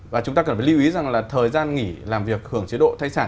và chúng ta cần phải lưu ý rằng là thời gian nghỉ làm việc hưởng chế độ thai sản